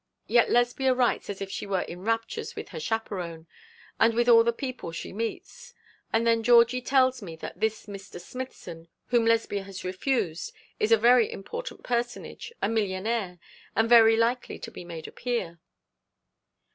Yet Lesbia writes as if she were in raptures with her chaperon, and with all the people she meets. And then Georgie tells me that this Mr. Smithson whom Lesbia has refused is a very important personage, a millionaire, and very likely to be made a peer.'